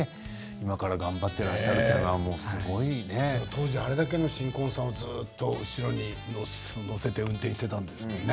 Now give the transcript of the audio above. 今から頑張っていらっしゃる当時あれだけの新婚さんをずっと後ろに乗せて運転していたんですものね。